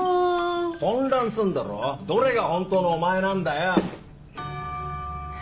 混乱すんだろどれがホントのお前なんだよ！